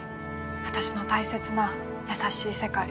私の大切な優しい世界。